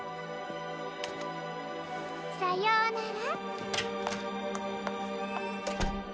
さようなら。